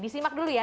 disimak dulu ya